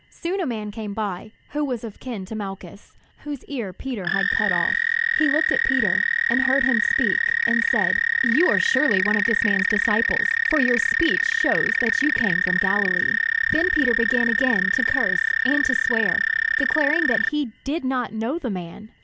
Soon a man came by, who was of kin to Malchus, whose ear Peter had cut off. He looked at Peter, and heard him speak, and said: "You are surely one of this man's disciples; for your speech shows that you came from Galilee." Then Peter began again to curse and to swear, declaring that he did not know the man.